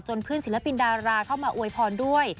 เพื่อนศิลปินดาราเข้ามาอวยพรด้วย